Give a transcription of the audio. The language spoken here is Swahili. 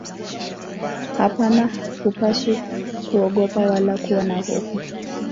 Hapana hupaswi kuogopa wala kuwa na hofu